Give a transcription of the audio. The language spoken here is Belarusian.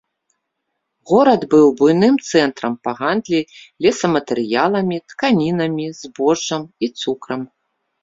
Горад быў буйным цэнтрам па гандлі лесаматэрыяламі, тканінамі, збожжам і цукрам.